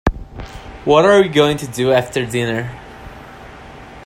What are we going to do after dinner?